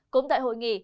cũng tại hội nghị